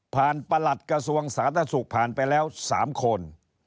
ผ่านประหลัดกระทรวงศาสตร์และสุขผ่านไปแล้ว๓คน